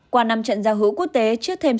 qua năm trận giao hữu quốc tế trước thêm